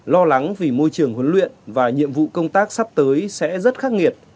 lo lắng vì môi trường huấn luyện và nhiệm vụ công tác sắp tới sẽ rất khắc nghiệt